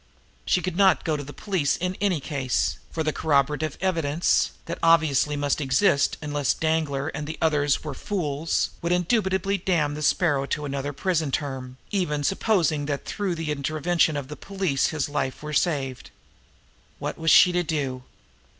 She could not go to the police in any case, for the "corroborative" evidence, that obviously must exist, unless Danglar and those with him were fools, would indubitably damn the Sparrow to another prison term, even supposing that through the intervention of the police his life were saved. What was she to do?